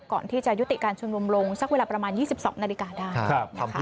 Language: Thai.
ก่อนที่จะยุติการชุมนุมลงสักเวลาประมาณ๒๒นาฬิกาได้นะคะ